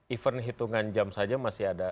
even hitungan jam saja masih ada